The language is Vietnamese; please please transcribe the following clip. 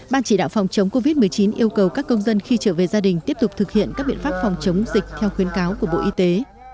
ban chỉ đạo phòng chống covid một mươi chín yêu cầu các công dân khi trở về gia đình tiếp tục thực hiện các biện pháp phòng chống dịch theo khuyến cáo của bộ y tế